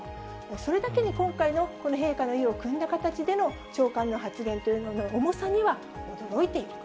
それだけに今回のこの陛下の意をくんだ形での長官の発言というものの重さには驚いていると。